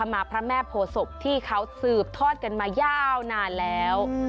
พระแม่โพศพที่เขาสืบทอดกันมายาวนานแล้ว